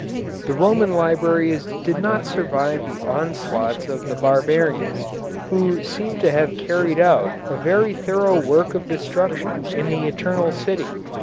The Roman libraries did not survive the onslaughts of the barbarians, who seem to have carried out a very thorough work of destruction in the Eternal City.